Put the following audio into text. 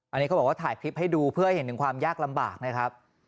อันนี้เขาบอกว่าถ่ายคลิปให้ดูเพื่อให้เห็นถึงความยากลำบากนะครับ